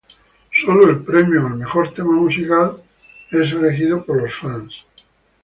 Solo el premio al mejor tema musical es elegido por los fans.